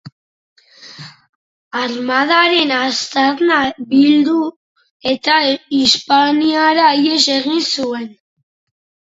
Armadaren aztarnak bildu eta Hispaniara ihes egin zuen.